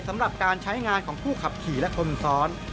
สำหรับการใช้งานของผู้ขับขี่และคนซ้อน